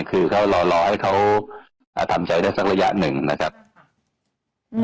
คือเขารอรอให้เขาอ่าทำใจได้สักระยะหนึ่งนะครับอืม